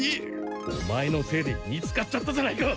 オマエのせいで見つかっちゃったじゃないか。